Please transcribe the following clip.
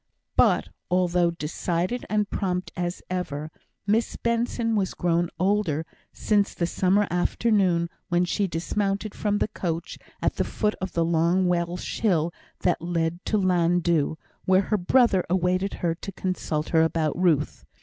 But although decided and prompt as ever, Miss Benson was grown older since the summer afternoon when she dismounted from the coach at the foot of the long Welsh hill that led to Llan dhu, where her brother awaited her to consult her about Ruth.